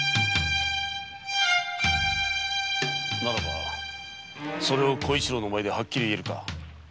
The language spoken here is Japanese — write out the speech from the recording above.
ならばそれを小一郎の前ではっきり言えるか？